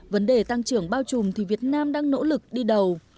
vấn đề tăng trưởng bao trùm thì việt nam đang nỗ lực đi đầu